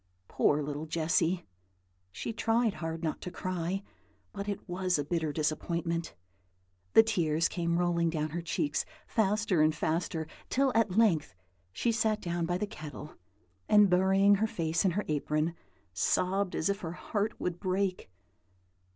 Poor little Jessy! she tried hard not to cry, but it was a bitter disappointment; the tears came rolling down her cheeks faster and faster, till at length she sat down by the kettle, and, burying her face in her apron, sobbed as if her heart would break.